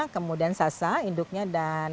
kemudian sasa induknya dan